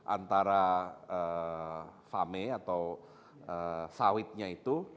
antara fame atau sawitnya itu